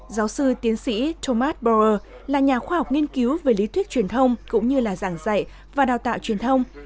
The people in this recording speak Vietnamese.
giáo sư tiến sĩ thomas bower là nhà khoa học nghiên cứu về lý thuyết truyền thông cũng như là giảng dạy và đào tạo truyền thông